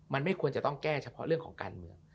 มันไม่ควรจะต้องแก้เฉพาะเรื่องของการเมือง